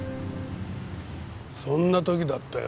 そんな時だったよ